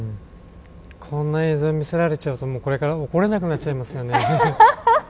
こんな映像見せられちゃうとこれから怒れなくなっちゃいますよね。